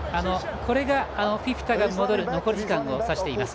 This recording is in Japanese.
これがフィフィタが戻る残り時間をさしています。